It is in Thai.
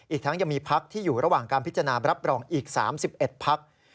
อีกทั้งยังมีพักที่อยู่ระหว่างการพิจารณารับรองอีก๓๑พัก